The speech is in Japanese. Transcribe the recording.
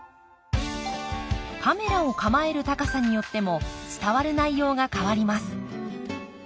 カメラを構える高さによっても伝わる内容が変わります。